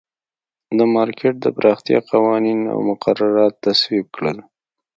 د مارکېټ د پراختیا قوانین او مقررات تصویب کړل.